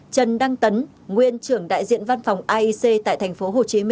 trần đăng tấn nguyên trưởng đại diện văn phòng aic tại tp hcm